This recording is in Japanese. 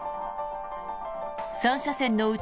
３車線のうち